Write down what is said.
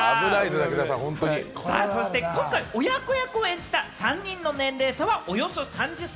今回、親子役を演じた３人の年齢差はおよそ３０歳。